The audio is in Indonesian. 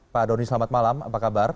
pak doni selamat malam apa kabar